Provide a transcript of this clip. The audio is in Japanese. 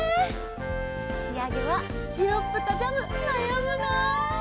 しあげはシロップとジャムなやむな。